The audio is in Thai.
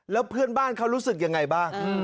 แล้วเพื่อนบ้านเขารู้สึกยังไงบ้าง